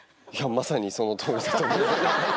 まさにそのとおりだと思います。